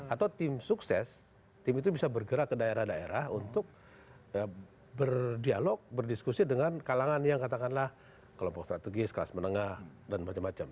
atau tim sukses tim itu bisa bergerak ke daerah daerah untuk berdialog berdiskusi dengan kalangan yang katakanlah kelompok strategis kelas menengah dan macam macam